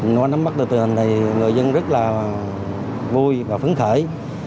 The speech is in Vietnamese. nói nắm mắt được tình hình này người dân rất là vui và phấn khởi